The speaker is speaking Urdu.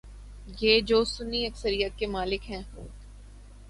گے جو سنی اکثریت کے حامل ہیں؟